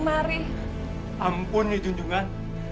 bawah favorite ini pandingan